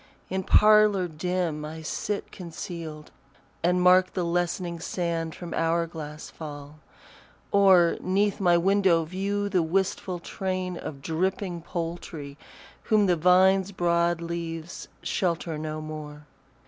In parlour dim I sit concealed, And mark the lessening sand from hour glass fall; Or 'neath my window view the wistful train Of dripping poultry, whom the vine's broad leaves Shelter no more.